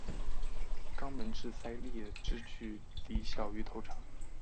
肛门至鳃裂之距离小于头长。